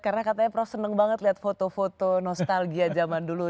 karena katanya prof seneng banget liat foto foto nostalgia zaman dulu